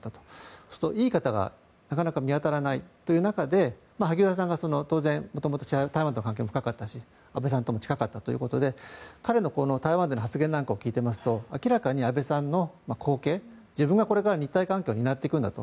そうすると言い方がなかなか見当たらないという中で萩生田さんが元々台湾との関係も深かったし安倍さんとも近かったということで彼の台湾での発言なんかを聞いていますと明らかに安倍さんの後継自分がこれから日台関係を担っていくんだと。